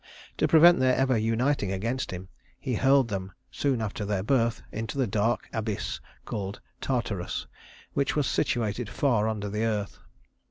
To prevent their ever uniting against him he hurled them, soon after their birth, into the dark abyss called Tartarus, which was situated far under the earth.